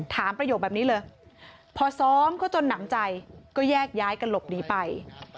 ประโยคแบบนี้เลยพอซ้อมเขาจนหนำใจก็แยกย้ายกันหลบหนีไป